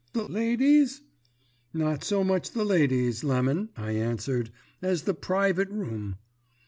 The ladies?' "'Not so much the ladies, Lemon,' I answered, 'as the private room.'